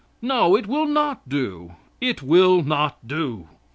No, it will not do; it will not do.